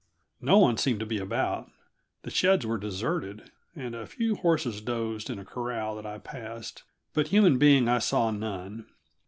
No one seemed to be about; the sheds were deserted, and a few horses dozed in a corral that I passed; but human being I saw none.